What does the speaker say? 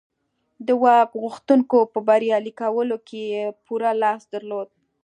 د واک غوښتونکو په بریالي کولو کې یې پوره لاس درلود